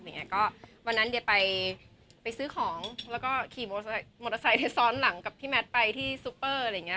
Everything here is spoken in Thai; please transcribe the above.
ก็วันนั้นยายไปซื้อของแล้วก็ขี่มอเตอร์ไซค์ซ้อนหลังกับพี่แมทไปที่ซุปเปอร์อะไรอย่างเงี้